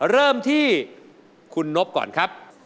เริ่มที่คุณนบก่อนครับ